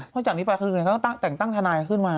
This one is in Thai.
เพราะจากนี้ประคุณเขาต้องแต่งตั้งทนายขึ้นมา